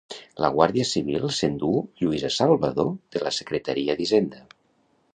La Guàrdia Civil s'endú Lluïsa Salvadó de la secretaria d'Hisenda.